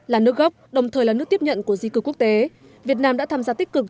là nước gốc đồng thời là nước tiếp nhận của di cư quốc tế việt nam đã tham gia tích cực